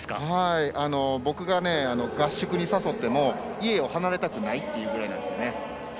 僕が、合宿に誘っても家を離れたくないって言うぐらいなんですよね。